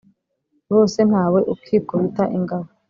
bose ntawe ukikubita ingabo,